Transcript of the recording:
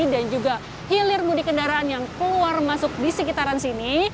dan juga hilir mudik kendaraan yang keluar masuk di sekitaran sini